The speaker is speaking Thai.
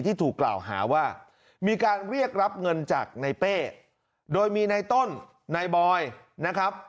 ที่ถูกกล่าวหาว่ามีการเรียกรับเงินจากในเป้โดยมีในต้นนายบอยนะครับ